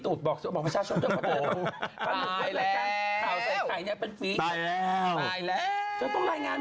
พูดอะไรไม่ได้เลยนะ